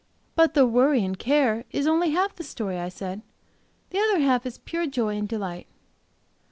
"But the worry and care is only half the story," I said. "The other half is pure joy and delight."